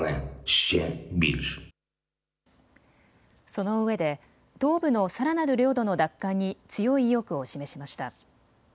そのうえで東部のさらなる領土の奪還に強い意欲を示しました。